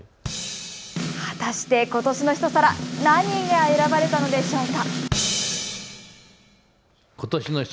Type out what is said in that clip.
果たして今年の一皿、何が選ばれたのでしょうか。